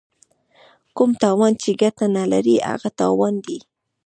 کوم تاوان چې ګټه نه لري هغه تاوان دی.